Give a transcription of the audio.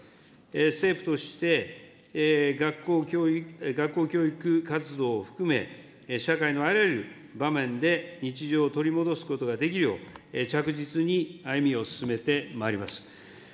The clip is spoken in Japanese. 政府として、学校教育活動を含め、社会のあらゆる場面で日常を取り戻すことができるよう、着実に歩みを進めてまいります。